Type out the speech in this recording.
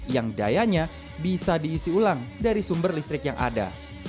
yang dayanya bisa diisi ulang dari sumber listrik yang ada